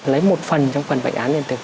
lấy một phần trong phần bệnh án điện tử